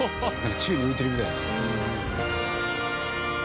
宙に浮いてるみたいだね。